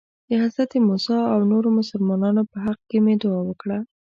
د حضرت موسی او نورو مسلمانانو په حق کې مې دعا وکړه.